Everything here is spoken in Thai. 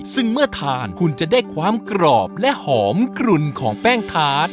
ซึ่งเมื่อทานคุณจะได้ความกรอบและหอมกลุ่นของแป้งทาส